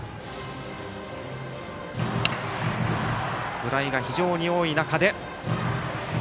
フライが非常に多い中で。